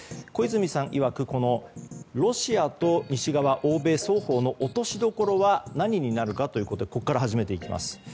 小泉さんいわく、ロシアと西側欧米双方の落としどころは何になるかというところから始めていきます。